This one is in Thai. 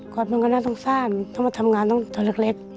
ก๊อตมันก็น่าต้องสร้างถ้ามาทำงานต้องเทาะเล็ก